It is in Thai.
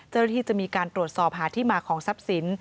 เจ้าหน้าที่จะมีการตรวจสอบหาที่มาของทรัพย์สิน